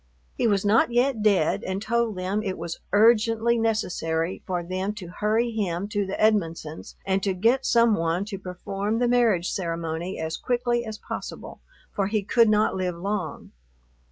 He was not yet dead and told them it was urgently necessary for them to hurry him to the Edmonsons' and to get some one to perform the marriage ceremony as quickly as possible, for he could not live long.